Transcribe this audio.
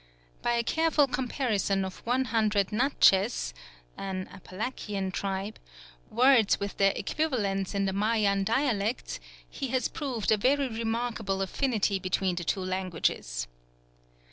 By a careful comparison of one hundred Natchez (an Apalachian tribe) words with their equivalents in the Mayan dialects, he has proved a very remarkable affinity between the two languages.